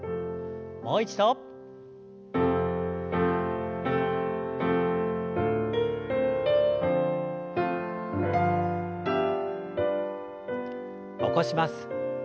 もう一度。起こします。